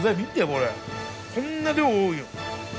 これこんな量多いよ